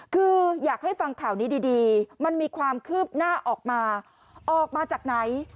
คืออยากให้ฟังข่าวนี้ดีมันมีความคืบหน้าออกมาออกมาจากไหน